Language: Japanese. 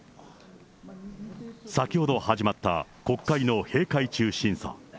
先ほど始まった国会の閉会中審査。